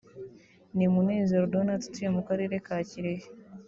ni Munezero Donat utuye mu Karere ka Kirehe